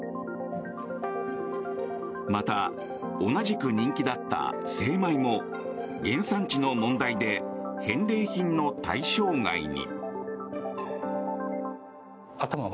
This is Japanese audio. また、同じく人気だった精米も原産地の問題で返礼品の対象外に。